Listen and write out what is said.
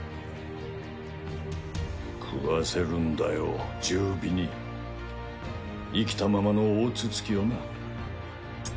食わせるんだよ十尾に生きたままの大筒木をな。